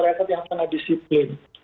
jadi apapun yang diperintahkan oleh pemerintah